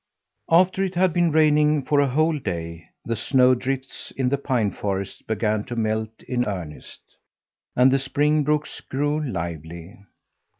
After it had been raining for a whole day, the snowdrifts in the pine forests began to melt in earnest, and the spring brooks grew lively.